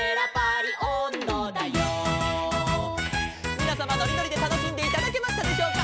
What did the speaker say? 「みなさまのりのりでたのしんでいただけましたでしょうか」